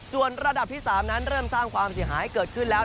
ส่วนระดับที่๓นั้นเริ่มสร้างความเสียหายให้เกิดขึ้นแล้ว